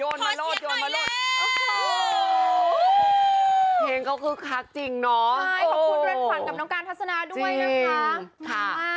โอ้โหยี่ยยยโหก็คือคักจริงเนอะค่อยขอบคุณเรือนขวัญกับน้องกาลทัศนาด้วยนะคะ